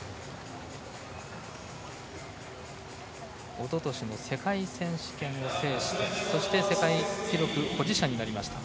おととしの世界選手権を制してそして、世界記録保持者になりました。